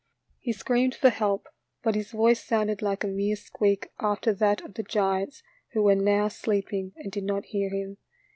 He screamed for help, but his voice sounded like a mere squeak after that of the giants who were now sleeping and did not hear him.